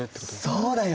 そうだよ。